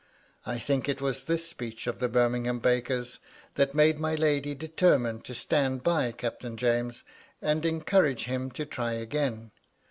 I think it was this speech of the Birmingham baker's that made my lady determine to stand by Captain 'James, and encourage him to try again.